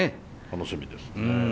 楽しみですね。